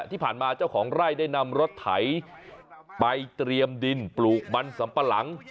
ที่ผ่านมาเจ้าของไร่ได้นำรถไถไปเตรียมดินปลูกมันสำปะหลัง